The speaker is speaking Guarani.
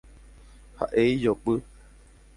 Ha’e ijopy.